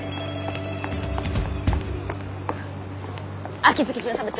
秋月巡査部長。